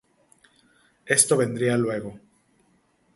Esto vendría luego.